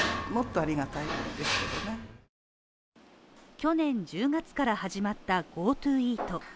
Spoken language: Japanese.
去年１０月から始まったＧｏＴｏイート。